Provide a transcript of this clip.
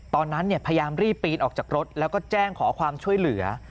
พยายามรีบปีนออกจากรถแล้วก็แจ้งขอความช่วยเหลือ